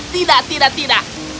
tidak tidak tidak